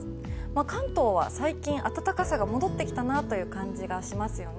関東は最近、暖かさが戻ってきたなという感じがしますよね。